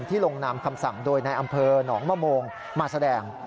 ลงนามคำสั่งโดยในอำเภอหนองมะโมงมาแสดง